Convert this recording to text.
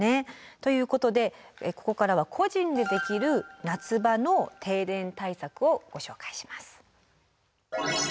ということでここからは個人でできる夏場の停電対策をご紹介します。